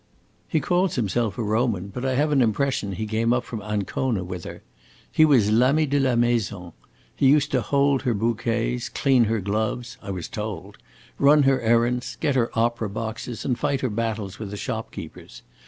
He calls himself a Roman, but I have an impression he came up from Ancona with her. He was l'ami de la maison. He used to hold her bouquets, clean her gloves (I was told), run her errands, get her opera boxes, and fight her battles with the shopkeepers.